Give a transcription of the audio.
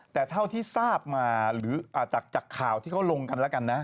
แต่เท่าที่ทราบมาหรือจากข่าวที่เขาลงกันแล้วกันนะ